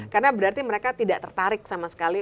karena berarti mereka tidak tertarik sama sekali